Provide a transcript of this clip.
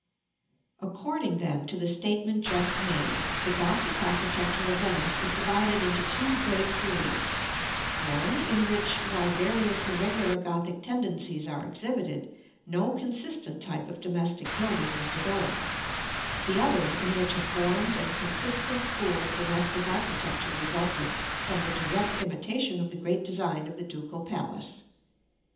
§ V. According, then, to the statement just made, the Gothic architecture of Venice is divided into two great periods: one, in which, while various irregular Gothic tendencies are exhibited, no consistent type of domestic building was developed; the other, in which a formed and consistent school of domestic architecture resulted from the direct imitation of the great design of the Ducal Palace.